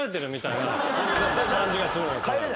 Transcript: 感じがする。